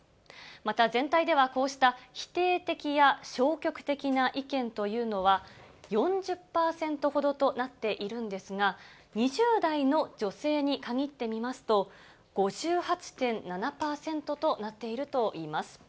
また全体では、こうした否定的や消極的な意見というのは、４０％ほどとなっているんですが、２０代の女性に限ってみますと、５８．７％となっているといいます。